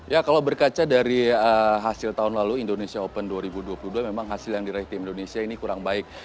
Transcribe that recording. ya kalau berkaca dari hasil tahun lalu indonesia open dua ribu dua puluh dua memang hasil yang diraih tim indonesia ini kurang baik